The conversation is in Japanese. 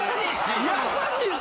優しいし。